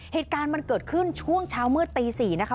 เหตุการณ์มันเกิดขึ้นช่วงเช้ามืดตี๔นะคะ